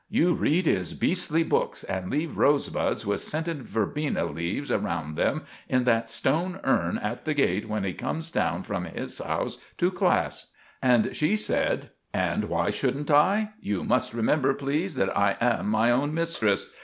You read his beastly books, and leave rosebuds with scented verbena leaves round them in that stone urn at the gate when he comes down from his house to class." And she said: "And why shouldn't I? You must remember, please, that I am my own mistress.